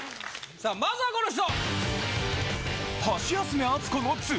さあまずはこの人！